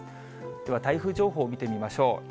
では台風情報を見てみましょう。